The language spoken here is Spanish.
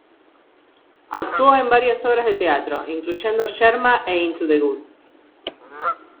Actuó en varias obras de teatro, incluyendo "Yerma" e "Into the Woods".